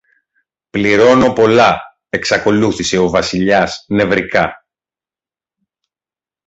πληρώνω πολλά, εξακολούθησε ο Βασιλιάς νευρικά.